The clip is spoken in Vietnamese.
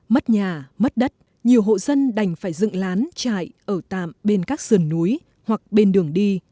mất nhà mất đất nhiều hộ dân đành phải dựng lán chạy ở tạm bên các sườn núi hoặc bên đường đi